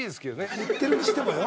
言ってるにしてもよ。